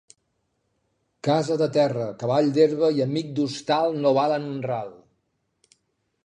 Casa de terra, cavall d'herba i amic d'hostal no valen un ral.